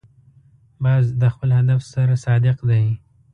باز د خپل هدف سره صادق دی